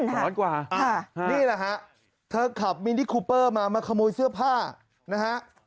ร้อนกว่านี่แหละฮะเธอขับมินิคูเปอร์มามาขโมยเสื้อผ้านะฮะ